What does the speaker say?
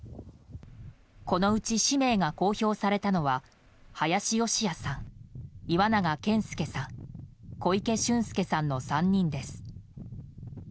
このうち氏名が公表されたのは林善也さん、岩永健介さん小池駿介さんの３人です。